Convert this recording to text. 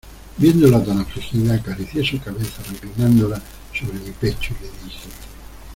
viéndola tan afligida, acaricié su cabeza reclinándola sobre mi pecho , y le dije: